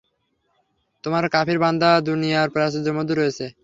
তোমার কাফির বান্দা দুনিয়ার প্রাচুর্যের মধ্যে রয়েছে।